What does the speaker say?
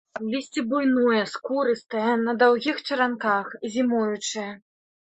Лісце буйное, скурыстае, на даўгіх чаранках, зімуючае.